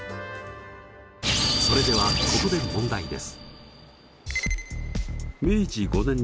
それではここで問題です。